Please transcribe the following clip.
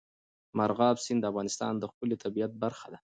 مورغاب سیند د افغانستان د ښکلي طبیعت برخه ده.